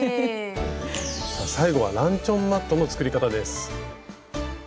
最後はランチョンマットの作り方です。